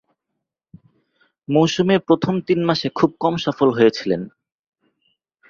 মৌসুমের প্রথম তিন মাসে খুব কম সফল হয়েছিলেন।